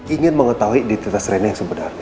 ingin mengetahui identitas reina yang sebenarnya